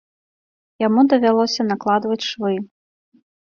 Яму давялося накладваць швы.